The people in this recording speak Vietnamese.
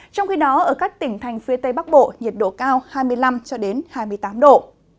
trong khi đó ở các tỉnh thành phía tây bắc bộ nhiệt độ cao hai mươi năm hai mươi tám độ